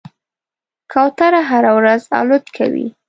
کوتره هره ورځ الوت کوي.